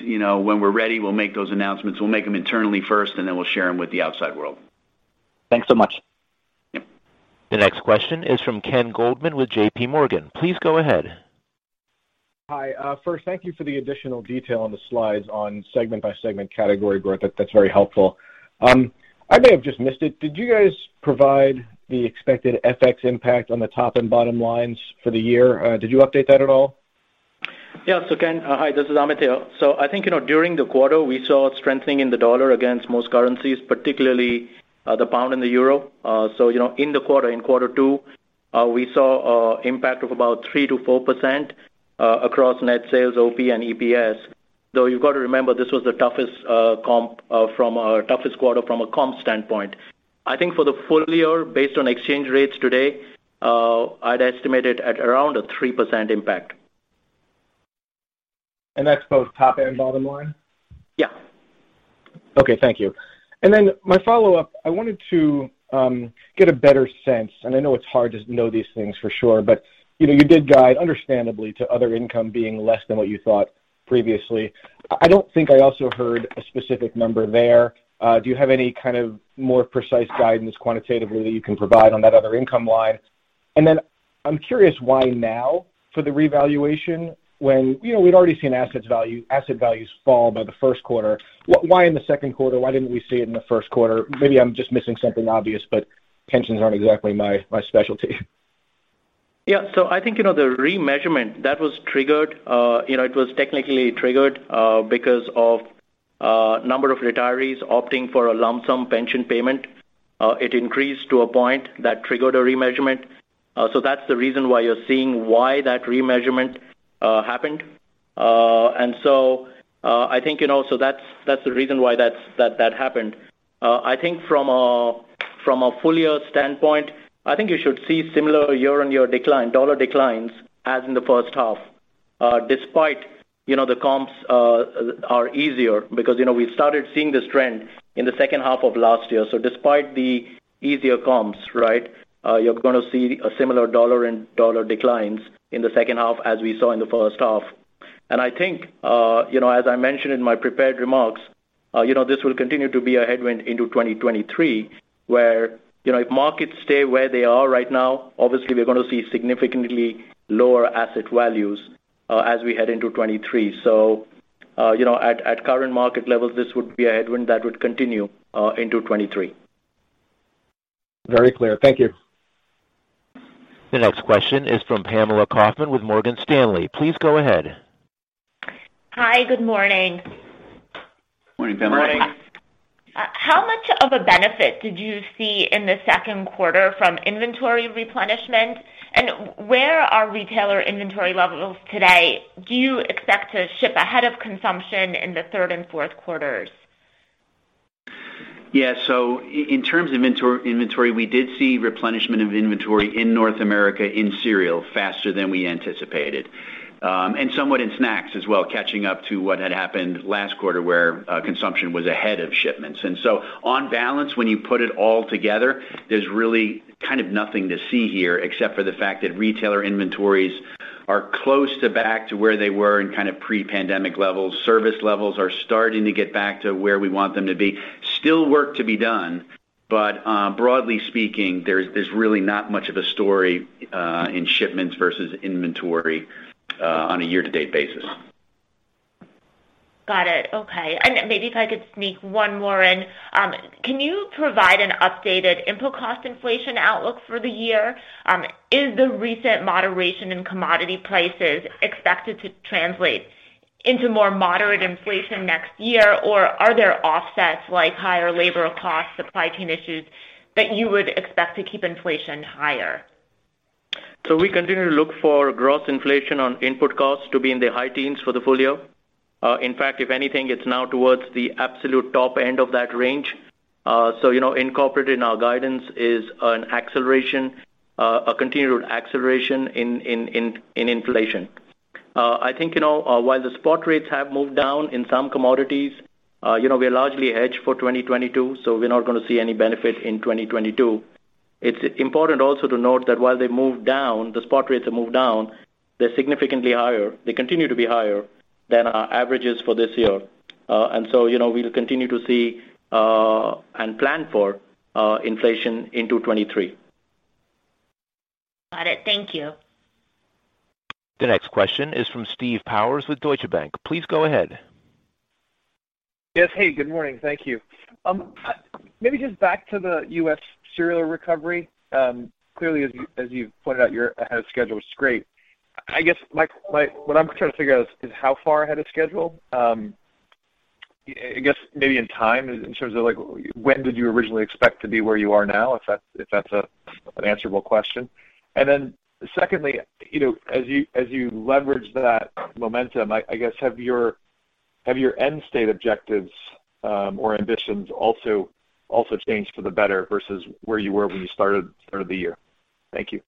You know, when we're ready, we'll make those announcements. We'll make them internally first, and then we'll share them with the outside world. Thanks so much. Yep. The next question is from Ken Goldman with JPMorgan. Please go ahead. Hi. First, thank you for the additional detail on the slides on segment by segment category growth. That, that's very helpful. I may have just missed it. Did you guys provide the expected FX impact on the top and bottom lines for the year? Did you update that at all? Yeah. Ken, hi, this is Amit Banati. I think, you know, during the quarter, we saw strengthening in the dollar against most currencies, particularly the pound and the euro. You know, in the quarter, in quarter two, we saw impact of about 3%-4% across net sales, OP, and EPS. Though you've got to remember, this was the toughest comp, toughest quarter from a comp standpoint. I think for the full year, based on exchange rates today, I'd estimate it at around a 3% impact. That's both top and bottom line? Yeah. Okay, thank you. My follow-up, I wanted to get a better sense, and I know it's hard to know these things for sure, but you know, you did guide understandably to other income being less than what you thought previously. I don't think I also heard a specific number there. Do you have any kind of more precise guidance quantitatively that you can provide on that other income line? I'm curious why now for the revaluation when you know, we'd already seen asset values fall by the first quarter. Why in the second quarter? Why didn't we see it in the first quarter? Maybe I'm just missing something obvious, but pensions aren't exactly my specialty. Yeah. I think, you know, the remeasurement that was triggered, you know, it was technically triggered because of a number of retirees opting for a lump sum pension payment. It increased to a point that triggered a remeasurement. That's the reason why you're seeing that remeasurement happened. I think, you know, that's the reason why that happened. I think from a full year standpoint, I think you should see similar year-on-year dollar declines as in the first half, despite, you know, the comps are easier because, you know, we've started seeing this trend in the second half of last year. Despite the easier comps, right, you're gonna see similar dollar declines in the second half as we saw in the first half. I think, you know, as I mentioned in my prepared remarks, you know, this will continue to be a headwind into 2023, where, you know, if markets stay where they are right now, obviously, we're gonna see significantly lower asset values, as we head into 2023. You know, at current market levels, this would be a headwind that would continue into 2023. Very clear. Thank you. The next question is from Pamela Kaufman with Morgan Stanley. Please go ahead. Hi, good morning. Morning, Pamela. Morning. How much of a benefit did you see in the second quarter from inventory replenishment? Where are retailer inventory levels today? Do you expect to ship ahead of consumption in the third and fourth quarters? Yeah. In terms of inventory, we did see replenishment of inventory in North America in cereal faster than we anticipated. Somewhat in snacks as well, catching up to what had happened last quarter where consumption was ahead of shipments. On balance, when you put it all together, there's really kind of nothing to see here except for the fact that retailer inventories are close to back to where they were in kind of pre-pandemic levels. Service levels are starting to get back to where we want them to be. Still, work to be done, but broadly speaking, there's really not much of a story in shipments versus inventory on a year-to-date basis. Got it. Okay. Maybe if I could sneak one more in. Can you provide an updated input cost inflation outlook for the year? Is the recent moderation in commodity prices expected to translate into more moderate inflation next year? Or are there offsets like higher labor costs, supply chain issues that you would expect to keep inflation higher? We continue to look for gross inflation on input costs to be in the high teens for the full year. In fact, if anything, it's now towards the absolute top end of that range. You know, incorporated in our guidance is an acceleration, a continued acceleration in inflation. I think, you know, while the spot rates have moved down in some commodities, you know, we are largely hedged for 2022, so we're not gonna see any benefit in 2022. It's important also to note that while they move down, the spot rates have moved down, they're significantly higher. They continue to be higher than our averages for this year. You know, we'll continue to see, and plan for, inflation into 2023. Got it. Thank you. The next question is from Steve Powers with Deutsche Bank. Please go ahead. Yes. Hey, good morning. Thank you. Maybe just back to the U.S. cereal recovery. Clearly, as you've pointed out, you're ahead of schedule, which is great. I guess what I'm trying to figure out is how far ahead of schedule. I guess maybe in time, in terms of, like, when did you originally expect to be where you are now, if that's an answerable question. Secondly, you know, as you leverage that momentum, I guess have your end state objectives or ambitions also changed for the better versus where you were when you started the year? Thank you.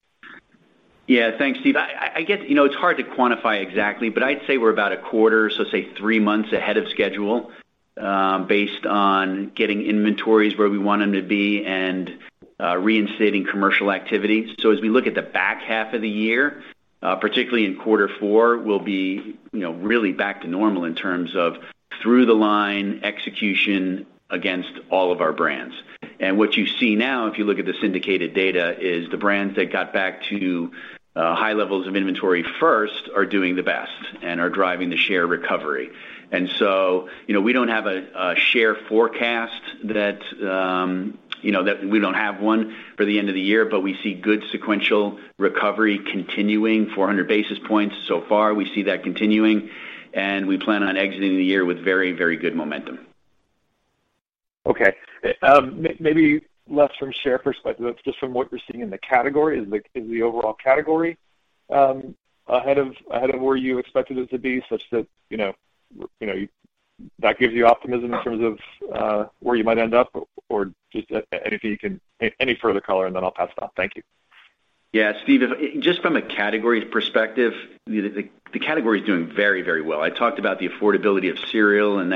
Yeah. Thanks, Steve. I guess, you know, it's hard to quantify exactly, but I'd say we're about a quarter, so say three months ahead of schedule, based on getting inventories where we want them to be and reinstating commercial activity. As we look at the back half of the year, particularly in quarter four, we'll be, you know, really back to normal in terms of through the line execution against all of our brands. What you see now, if you look at the syndicated data, is the brands that got back to high levels of inventory first are doing the best and are driving the share recovery. You know, we don't have a share forecast that you know that we don't have one for the end of the year, but we see good sequential recovery continuing, 400 basis points so far. We see that continuing, and we plan on exiting the year with very, very good momentum. Okay. Maybe less from share perspective, but just from what you're seeing in the category. Is the overall category ahead of where you expected it to be, such that you know that gives you optimism in terms of where you might end up? Or just, and if you can any further color, and then I'll pass it on. Thank you. Yeah, Steve, just from a category perspective, the category is doing very, very well. I talked about the affordability of cereal and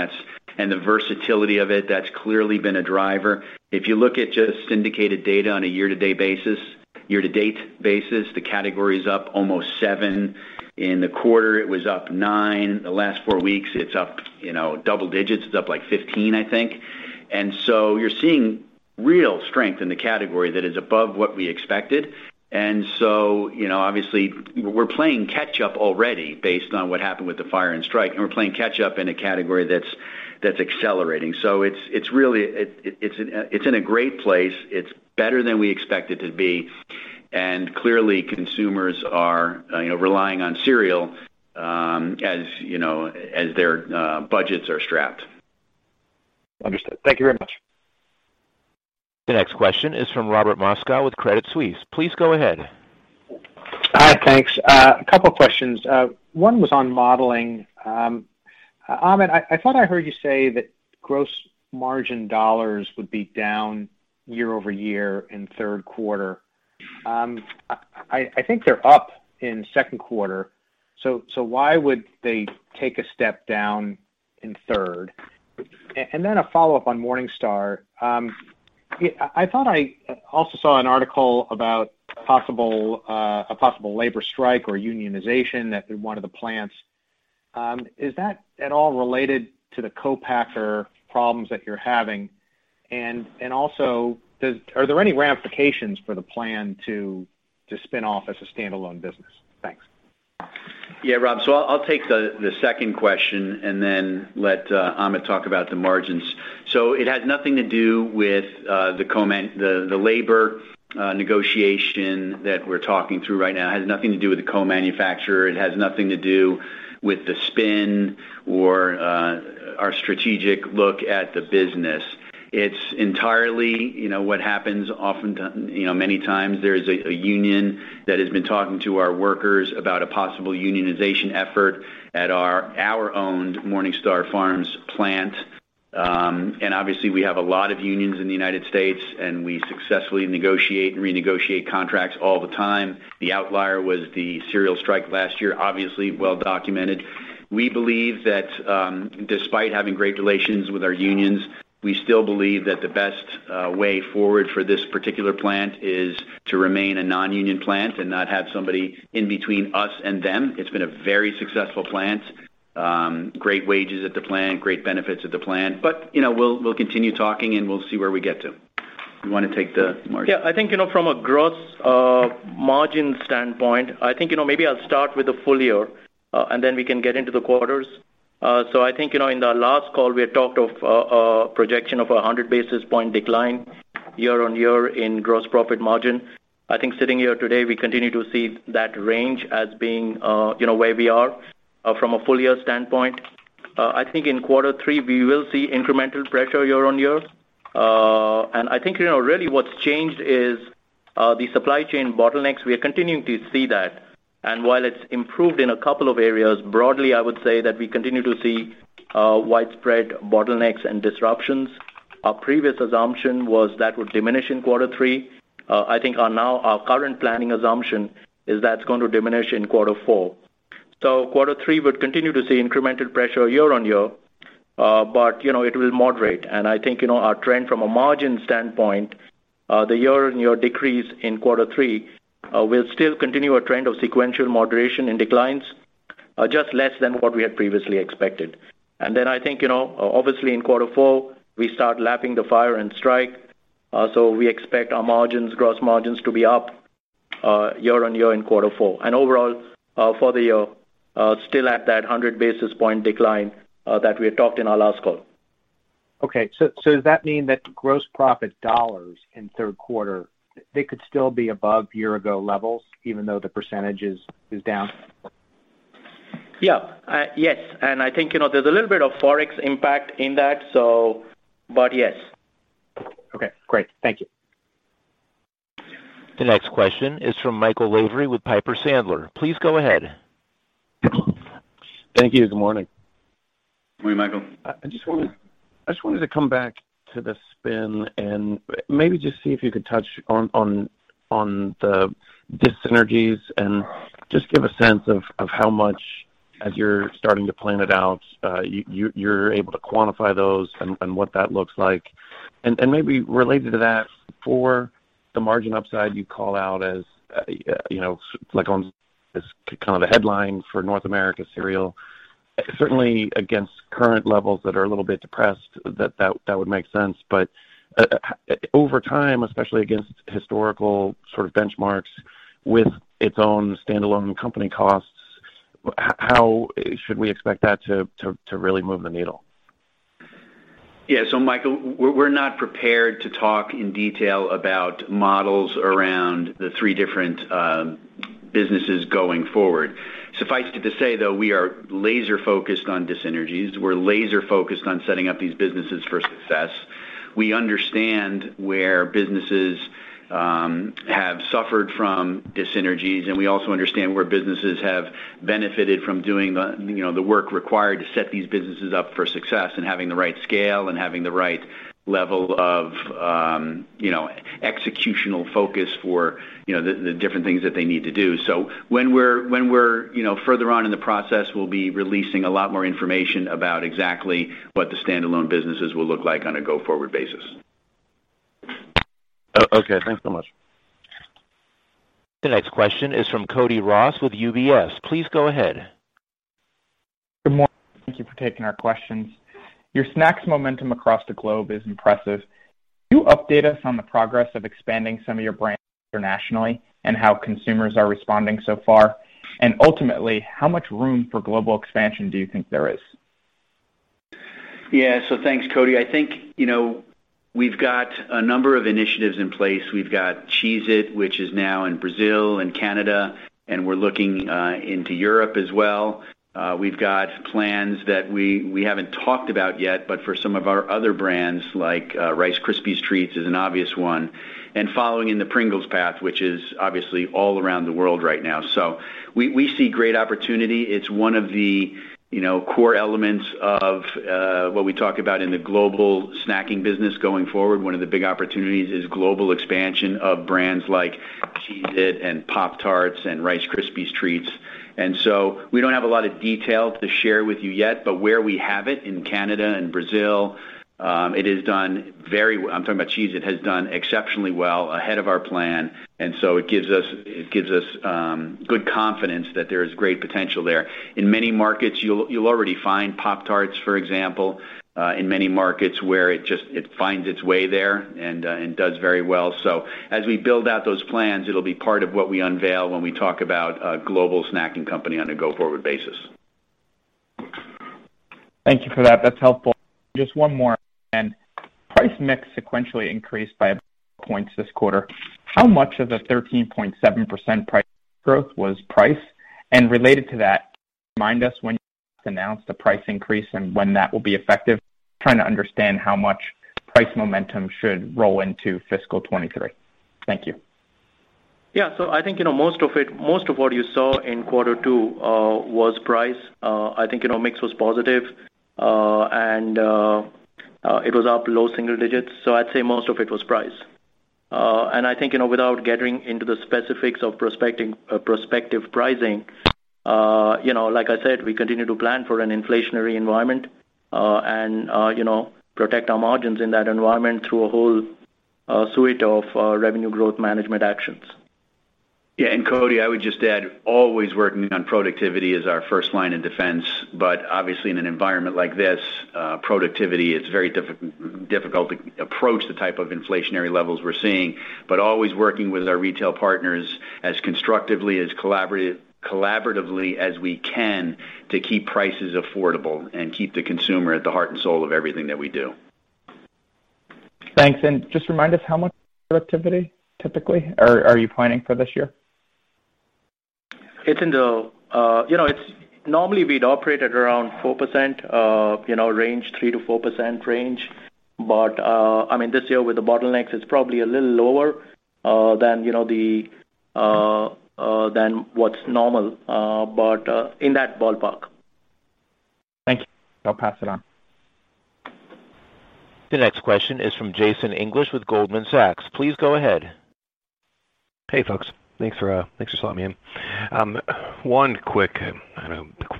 the versatility of it. That's clearly been a driver. If you look at just syndicated data on a year-to-date basis, the category is up almost 7%. In the quarter, it was up 9%. The last four weeks, it's up, you know, double digits. It's up, like, 15, I think. You're seeing real strength in the category that is above what we expected. You know, obviously we're playing catch up already based on what happened with the fire and strike, and we're playing catch up in a category that's accelerating. It's really in a great place. It's better than we expect it to be. Clearly, consumers are, you know, relying on cereal, as, you know, as their budgets are strapped. Understood. Thank you very much. The next question is from Robert Moskow with Credit Suisse. Please go ahead. Hi. Thanks. A couple questions. One was on modeling. Amit, I thought I heard you say that gross margin dollars would be down year-over-year in third quarter. I think they're up in second quarter, so why would they take a step down in third? And then a follow-up on MorningStar Farms. Yeah, I thought I also saw an article about possible labor strike or unionization at one of the plants. Is that at all related to the co-packer problems that you're having? And also, are there any ramifications for the plan to spin off as a standalone business? Thanks. Yeah, Rob. I'll take the second question and then let Amit talk about the margins. It has nothing to do with the labor negotiation that we're talking through right now. It has nothing to do with the co-manufacturer. It has nothing to do with the spin or our strategic look at the business. It's entirely, you know, what happens often times, you know, many times there's a union that has been talking to our workers about a possible unionization effort at our owned MorningStar Farms plant. Obviously we have a lot of unions in the United States, and we successfully negotiate and renegotiate contracts all the time. The outlier was the cereal strike last year, obviously well documented. We believe that despite having great relations with our unions, we still believe that the best way forward for this particular plant is to remain a non-union plant and not have somebody in between us and them. It's been a very successful plant. Great wages at the plant, great benefits at the plant. You know, we'll continue talking and we'll see where we get to. You wanna take the margin? Yeah. I think, you know, from a gross margin standpoint, I think, you know, maybe I'll start with the full year, and then we can get into the quarters. I think, you know, in the last call, we had talked of a projection of 100 basis points decline year-over-year in gross profit margin. I think sitting here today, we continue to see that range as being, you know, where we are from a full year standpoint. I think in quarter three, we will see incremental pressure year-over-year. I think, you know, really what's changed is the supply chain bottlenecks. We are continuing to see that. While it's improved in a couple of areas, broadly, I would say that we continue to see widespread bottlenecks and disruptions. Our previous assumption was that would diminish in quarter three. I think our current planning assumption is that's going to diminish in quarter four. Quarter three would continue to see incremental pressure year-on-year, but, you know, it will moderate. I think, you know, our trend from a margin standpoint, the year-on-year decrease in quarter three, will still continue a trend of sequential moderation in declines, just less than what we had previously expected. Then I think, you know, obviously, in quarter four, we start lapping the fire in Strike, so we expect our margins, gross margins to be up, year-on-year in quarter four. Overall, for the year, still at that 100 basis point decline that we had talked in our last call. Okay. Does that mean that gross profit dollars in third quarter, they could still be above year-ago levels even though the percentage is down? Yeah. Yes, I think, you know, there's a little bit of Forex impact in that, so but yes. Okay, great. Thank you. The next question is from Michael Lavery with Piper Sandler. Please go ahead. Thank you. Good morning. Good morning, Michael. I just wanted to come back to the spin and maybe just see if you could touch on the dis-synergies and just give a sense of how much, as you're starting to plan it out, you're able to quantify those and what that looks like. Maybe related to that, for the margin upside you call out as, you know, like, on this kind of a headwind for North America Cereal, certainly against current levels that are a little bit depressed, that would make sense. Over time, especially against historical sort of benchmarks with its own standalone company costs, how should we expect that to really move the needle? Yeah. Michael, we're not prepared to talk in detail about models around the three different businesses going forward. Suffice it to say, though, we are laser-focused on dis-synergies. We're laser-focused on setting up these businesses for success. We understand where businesses have suffered from dis-synergies, and we also understand where businesses have benefited from doing the, you know, the work required to set these businesses up for success and having the right scale and having the right level of, you know, executional focus for, you know, the different things that they need to do. When we're, you know, further on in the process, we'll be releasing a lot more information about exactly what the standalone businesses will look like on a go-forward basis. Okay. Thanks so much. The next question is from Cody Ross with UBS. Please go ahead. Good morning. Thank you for taking our questions. Your snacks momentum across the globe is impressive. Can you update us on the progress of expanding some of your brands internationally and how consumers are responding so far? And ultimately, how much room for global expansion do you think there is? Yeah. Thanks, Cody. I think, you know, we've got a number of initiatives in place. We've got Cheez-It, which is now in Brazil and Canada, and we're looking into Europe as well. We've got plans that we haven't talked about yet, but for some of our other brands, like, Rice Krispies Treats is an obvious one, and following in the Pringles path, which is obviously all around the world right now. We see great opportunity. It's one of the, you know, core elements of, what we talk about in the Global Snacking business going forward. One of the big opportunities is global expansion of brands like Cheez-It and Pop-Tarts and Rice Krispies Treats. We don't have a lot of detail to share with you yet, but where we have it in Canada and Brazil, I'm talking about Cheez-It, has done exceptionally well ahead of our plan, and it gives us good confidence that there is great potential there. In many markets, you'll already find Pop-Tarts, for example, in many markets where it just finds its way there and does very well. As we build out those plans, it'll be part of what we unveil when we talk about a Global Snacking company on a go-forward basis. Thank you for that. That's helpful. Just one more. Price mix sequentially increased by points this quarter. How much of the 13.7% price growth was price? Related to that, remind us when you announced the price increase and when that will be effective. Trying to understand how much price momentum should roll into fiscal 2023. Thank you. Yeah. I think, you know, most of what you saw in quarter two was price. I think, you know, mix was positive, and it was up low single digits. I'd say most of it was price. I think, you know, without getting into the specifics of prospective pricing, you know, like I said, we continue to plan for an inflationary environment, and, you know, protect our margins in that environment through a whole suite of Revenue Growth Management actions. Cody, I would just add, always working on productivity is our first line of defense. Obviously, in an environment like this, productivity, it's very difficult to approach the type of inflationary levels we're seeing. Always working with our retail partners as constructively, as collaboratively as we can to keep prices affordable and keep the consumer at the heart and soul of everything that we do. Thanks. Just remind us how much productivity typically are you planning for this year? Normally we'd operate at around 4%, you know, range, 3%-4% range. I mean, this year with the bottlenecks, it's probably a little lower than what's normal, but in that ballpark. Thank you. I'll pass it on. The next question is from Jason English with Goldman Sachs. Please go ahead. Hey, folks. Thanks for letting me in. One quick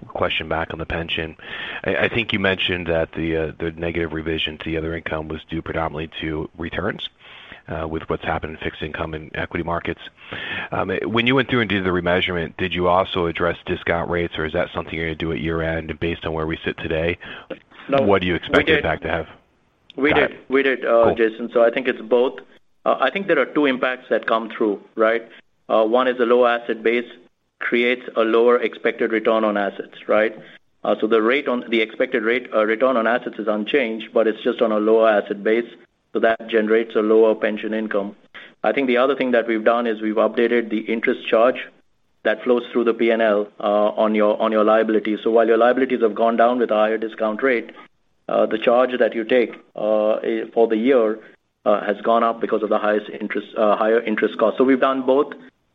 question back on the pension. I think you mentioned that the negative revision to the other income was due predominantly to returns with what's happened in fixed income and equity markets. When you went through and did the remeasurement, did you also address discount rates, or is that something you're gonna do at year-end based on where we sit today? What do you expect it in fact to have? We did, Jason. I think it's both. I think there are two impacts that come through, right? One is the low asset base creates a lower expected return on assets, right? The expected rate of return on assets is unchanged, but it's just on a lower asset base, so that generates a lower pension income. I think the other thing that we've done is we've updated the interest charge that flows through the P&L on your liability. While your liabilities have gone down with a higher discount rate, the charge that you take for the year has gone up because of the higher interest cost. We've done both,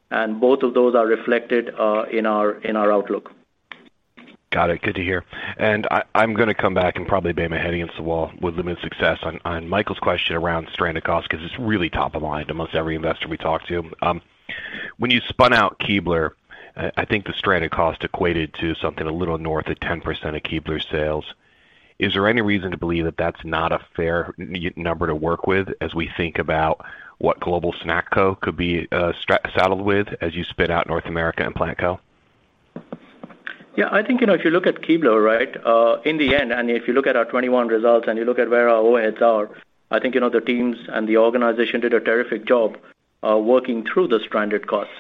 and both of those are reflected in our outlook. Got it. Good to hear. I'm gonna come back and probably bang my head against the wall with limited success on Michael's question around stranded costs because it's really top of mind among every investor we talk to. When you spun out Keebler, I think the stranded cost equated to something a little north of 10% of Keebler's sales. Is there any reason to believe that that's not a fair number to work with as we think about what Global Snacking Co. could be saddled with as you spin out North America Cereal Co and Plant Co? Yeah, I think, you know, if you look at Keebler, right, in the end, and if you look at our 2021 results and you look at where our overheads are, I think, you know, the teams and the organization did a terrific job working through the stranded costs.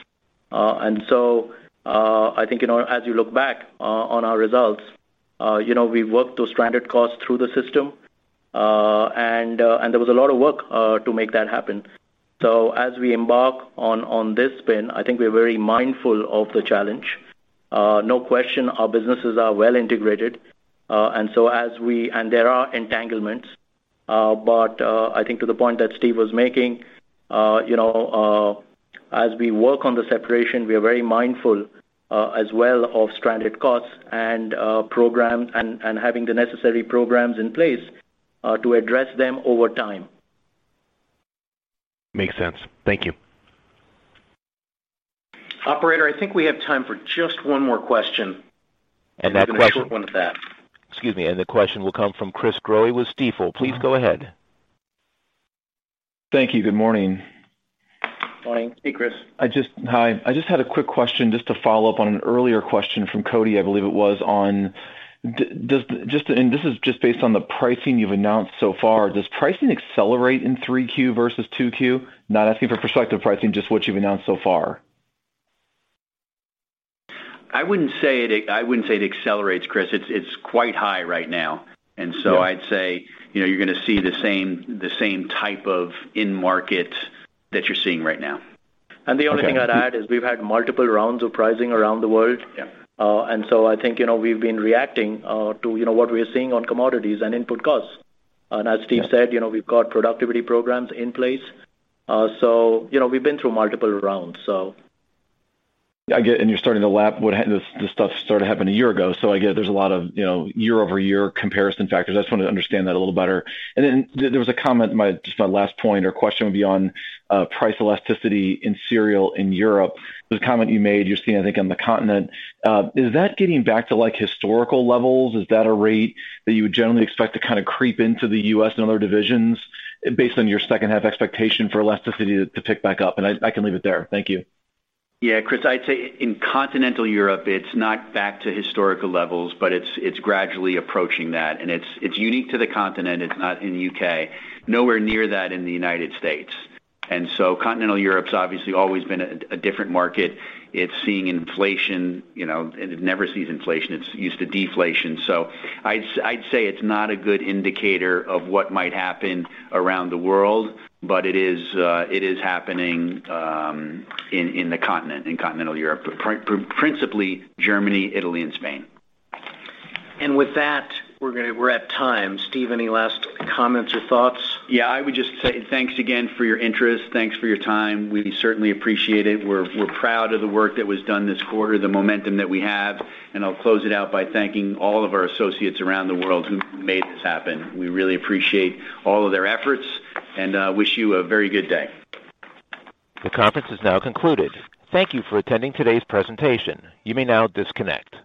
I think, you know, as you look back on our results, you know, we worked those stranded costs through the system, and there was a lot of work to make that happen. As we embark on this spin, I think we're very mindful of the challenge. No question our businesses are well integrated, and there are entanglements. I think to the point that Steve was making, you know, as we work on the separation, we are very mindful, as well of stranded costs and having the necessary programs in place to address them over time. Makes sense. Thank you. Operator, I think we have time for just one more question. That question. A short one at that. Excuse me, and the question will come from Chris Growe with Stifel. Please go ahead. Thank you. Good morning. Morning. Hey, Chris. Hi. I just had a quick question just to follow up on an earlier question from Cody, I believe it was. This is just based on the pricing you've announced so far. Does pricing accelerate in 3Q versus 2Q? Not asking for prospective pricing, just what you've announced so far. I wouldn't say it accelerates, Chris. It's quite high right now. I'd say, you know, you're gonna see the same type of end market that you're seeing right now. Okay. The only thing I'd add is we've had multiple rounds of pricing around the world. Yeah. I think, you know, we've been reacting to, you know, what we're seeing on commodities and input costs. As Steve said, you know, we've got productivity programs in place. You know, we've been through multiple rounds. I get you're starting to lap what this stuff started happening a year ago, so I get there's a lot of you know year-over-year comparison factors. I just wanted to understand that a little better. There was a comment just my last point or question would be on price elasticity in cereal in Europe. There was a comment you made. You're seeing, I think, on the continent. Is that getting back to like historical levels? Is that a rate that you would generally expect to kind of creep into the U.S. and other divisions based on your second half expectation for elasticity to pick back up? I can leave it there. Thank you. Yeah, Chris, I'd say in continental Europe, it's not back to historical levels, but it's gradually approaching that, and it's unique to the continent. It's not in the UK. Nowhere near that in the United States. Continental Europe's obviously always been a different market. It's seeing inflation, you know, it never sees inflation. It's used to deflation. So I'd say it's not a good indicator of what might happen around the world, but it is happening in the continent, in continental Europe, but principally Germany, Italy, and Spain. With that, we're at time. Steve, any last comments or thoughts? Yeah, I would just say thanks again for your interest. Thanks for your time. We certainly appreciate it. We're proud of the work that was done this quarter, the momentum that we have, and I'll close it out by thanking all of our associates around the world who made this happen. We really appreciate all of their efforts and wish you a very good day. The conference is now concluded. Thank you for attending today's presentation. You may now disconnect.